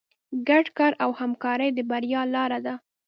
ګډ کار او همکاري د بریا لاره ده.